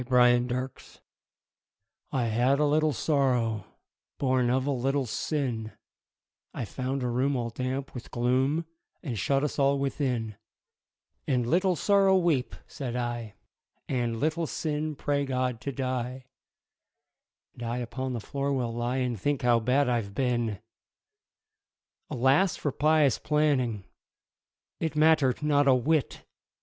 The Penitent I had a little Sorrow, Born of a little Sin, I found a room all damp with gloom And shut us all within; And, "Little Sorrow, weep," said I, "And, Little Sin, pray God to die, And I upon the floor will lie And think how bad I've been!" Alas for pious planning It mattered not a whit!